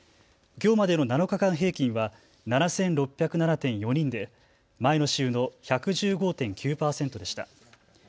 きょうまでの７日間平均は７６０７．４人で前の週の１１５．９％でした。